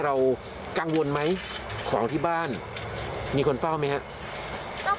เรากังวลไหมของที่บ้านมีคนเฝ้าไหมครับ